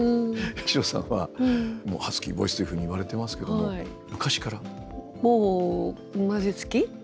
八代さんはハスキーボイスというふうにいわれてますけども昔から？